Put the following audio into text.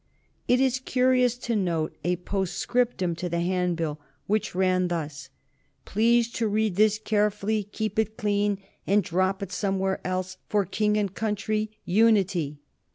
It is curious to note a postscriptum to the handbill, which ran thus: "Please to read this carefully, keep it clean, and drop it somewhere else. For King and country. UNITY."